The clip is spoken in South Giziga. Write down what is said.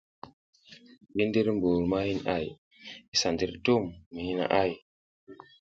Yi ndir bur ma hin ay,i sa ndir tum mi hina ‘ay.